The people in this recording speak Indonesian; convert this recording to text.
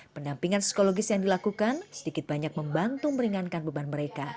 pendampingan psikologis yang dilakukan sedikit banyak membantu meringankan beban mereka